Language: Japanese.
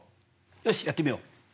よしやってみよう。